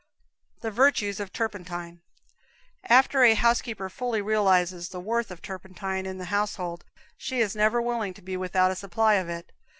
The Virtues of Turpentine. After a housekeeper fully realizes the worth of turpentine in the household, she is never willing to be without a supply of it.